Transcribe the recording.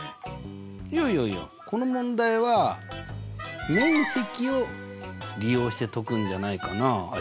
いやいやいやこの問題は面積を利用して解くんじゃないかなアイク。